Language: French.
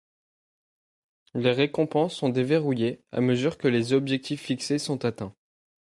Les récompenses sont déverrouillées à mesure que les objectifs fixés sont atteints.